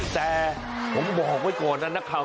แต่ผมบอกไว้ก่อนนะครับ